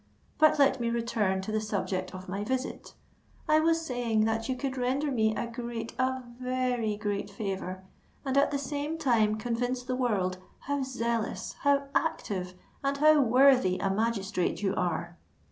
But let me return to the subject of my visit? I was saying that you could render me a great—a very great favour, and at the same time convince the world how zealous, how active, and how worthy a magistrate you are."